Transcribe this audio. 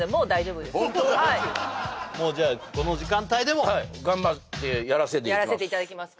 はいもうじゃあこの時間帯でもはい頑張ってやらせでいきます